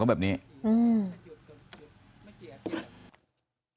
ก็แบบนี้อืม